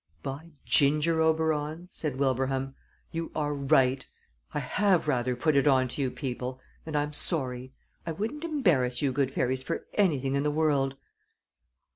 "By ginger, Oberon," said Wilbraham, "you are right! I have rather put it on to you people and I'm sorry. I wouldn't embarrass you good fairies for anything in the world."